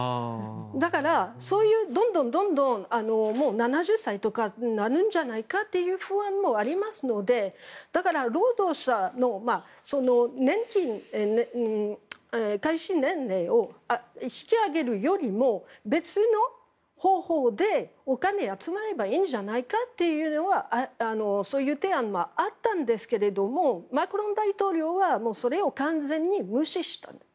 だから、そういうどんどん７０歳とかなるんじゃないかという不安もありますのでだから、労働者の受給開始年齢を引き上げるよりも別の方法でお金が集まればいいんじゃないかというのはそういう提案もあったんですけどマクロン大統領はそれを完全に無視した。